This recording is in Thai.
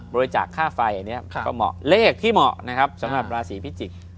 บริจาคค่าไฟอันนี้ก็เหมาะเลขที่เหมาะนะครับสำหรับราศีพิจิกษ์